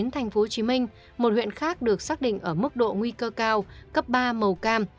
tp hcm một huyện khác được xác định ở mức độ nguy cơ cao cấp ba màu cam